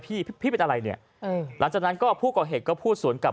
พี่พี่เป็นอะไรเนี่ยหลังจากนั้นก็ผู้ก่อเหตุก็พูดสวนกลับ